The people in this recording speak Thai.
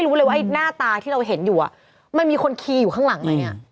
ก็เลยว่าหน้าตาที่เราเห็นอยู่มันมีคนคีย์อยู่ข้างหลัง